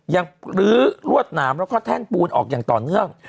ลื้อรวดหนามแล้วก็แท่นปูนออกอย่างต่อเนื่อง